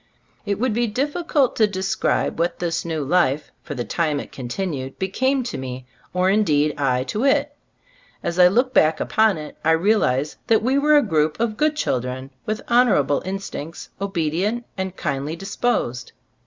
It would be difficult to describe what this new life, for the time it con tinued, became to me, or indeed I to it. As I look back upon it I realize that we were a group of good chil dren with honorable instincts, obe dient and kindly disposed.